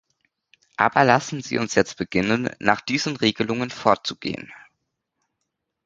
Aber lassen Sie uns jetzt beginnen, nach diesen Regelungen vorzugehen.